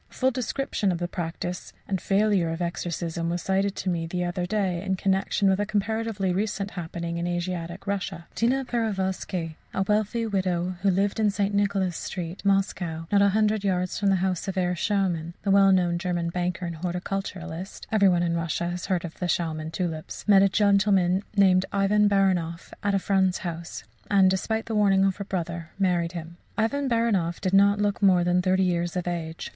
A full description of the practice and failure of exorcism was cited to me the other day in connexion with a comparatively recent happening in Asiatic Russia: Tina Peroviskei, a wealthy young widow, who lived in St. Nicholas Street, Moscow not a hundred yards from the house of Herr Schauman, the well known German banker and horticulturist (every one in Russia has heard of the Schauman tulips) met a gentleman named Ivan Baranoff at a friend's house, and, despite the warning of her brother, married him. Ivan Baranoff did not look more than thirty years of age.